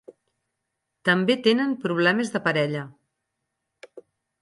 També tenen problemes de parella.